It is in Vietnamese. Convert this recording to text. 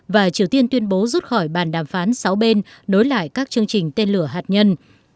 và triều tiên tuyên bố rút khỏi bàn đàm phán sáu bên nối lại các chương trình tên lửa hạt nhân